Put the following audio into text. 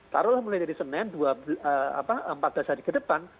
taruhlah mulai dari senin empat belas hari ke depan